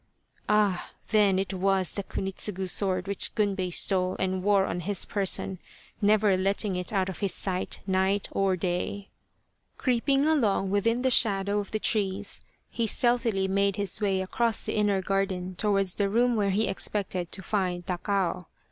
" Ah, then it was the Kunitsugu sword which Gunbei stole and wore on his person, never letting it out of his sight night or day." 5 The Quest of the Sword Creeping along within the shadow of the trees he stealthily made his way across the inner garden towards the room where he expected to find Takao.